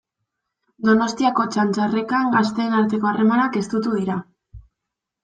Donostiako Txantxarrekan gazteen arteko harremanak estutu dira.